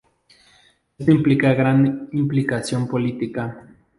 Esto implica gran implicación política.